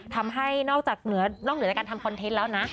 ทำให้นอกจากนอกเหนือจากการทำคอนเทนต์แล้วนะ